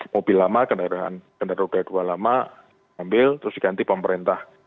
mobil lama kendaraan roda dua lama ambil terus diganti pemerintah